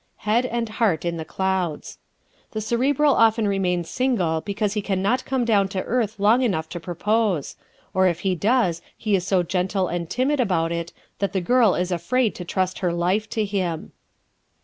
Head and Heart in the Clouds ¶ The Cerebral often remains single because he can not come down to earth long enough to propose, or if he does he is so gentle and timid about it the girl is afraid to trust her life to him.